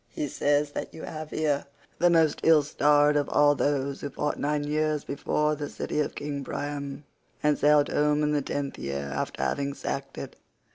He says that you have here the most ill starred of all those who fought nine years before the city of King Priam and sailed home in the tenth year after having sacked it.